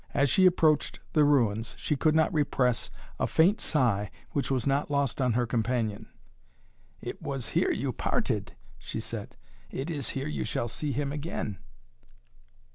As she approached the ruins she could not repress a faint sigh, which was not lost on her companion. "It was here you parted," she said. "It is here you shall see him again."